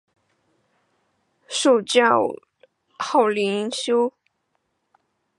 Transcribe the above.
初授翰林院修撰。